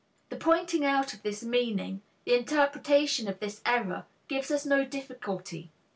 The pointing out of this meaning, the interpretation of this error, gives us no difficulty.